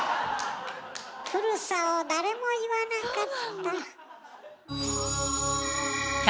古さを誰も言わなかった。